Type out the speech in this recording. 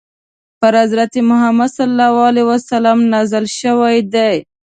پر حضرت محمد ﷺ نازل شوی دی.